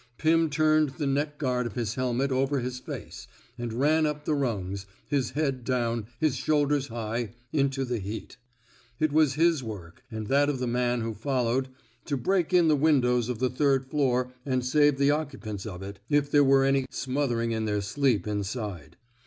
Pim turned the neck gudrd of his helmet over his face, and ran up the rungs, his head down, his shoulders high, into the heat. It was his work — and that of the man who followed — to break in the windows of the third floor and save the occupants of it, if 101 r THE SMOKE EATEES there were any smothering in their sleep inside.